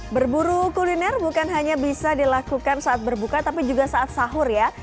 berburu kuliner bukan hanya bisa dilakukan saat berbuka tapi juga saat sahur ya